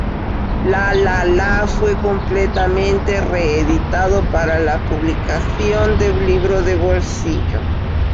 La La La fue completamente reeditado para la publicación de libro de bolsillo.